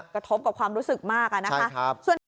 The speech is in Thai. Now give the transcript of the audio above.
กระทบกับความรู้สึกมากนะคะ